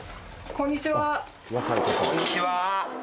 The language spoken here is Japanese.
こんにちは。